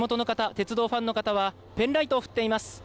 鉄道ファンの方はペンライトを振っています。